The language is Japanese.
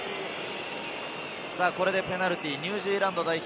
これでペナルティー、ニュージーランド代表。